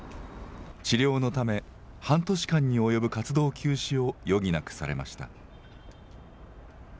治療のため、半年間に及ぶ活動休止を余儀なくされました。